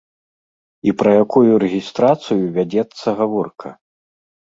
І пра якую рэгістрацыю вядзецца гаворка?